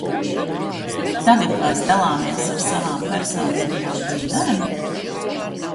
Tagad mēs dalāmies ar savām personīgajām dzīvēm?